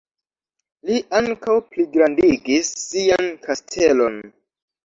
Li ankaŭ pligrandigis sian kastelon.